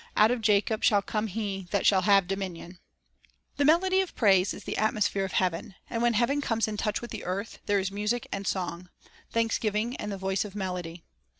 ... Out of Jacob shall come He that shall have dominion." : "The Vision of the Almighty " The melody of praise is the atmosphere of heaven; and when heaven comes in touch with the earth, there is music and song, — "thanksgiving, and the voice of melody."